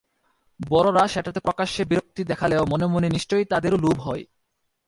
বড়রা সেটাতে প্রকাশ্যে বিরক্তি দেখালেও মনে মনে নিশ্চয় তাঁদেরও লোভ হয়।